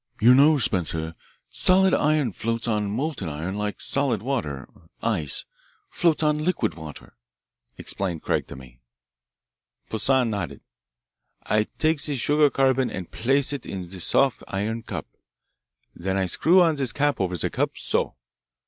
"You know, Spencer, solid iron floats on molten iron like solid water ice floats on liquid water," explained Craig to me. Poissan nodded. "I take this sugar carbon and place it in this soft iron cup. Then I screw on this cap over the cup, so.